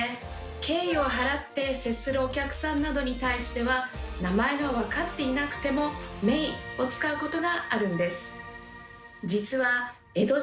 敬意を払って接するお客さんなどに対しては名前が分かっていなくても「名」を使うことがあるんです。